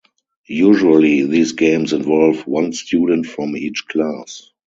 Usually these games involve one student from each class.